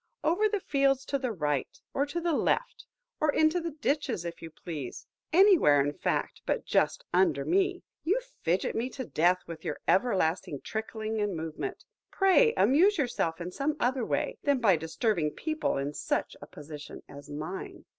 Over the fields to the right hand, or to the left; or into the ditches, if you please; anywhere, in fact, but just under me. You fidget me to death with your everlasting trickling and movement. Pray amuse yourself in some other way, than by disturbing people in such a position as mine.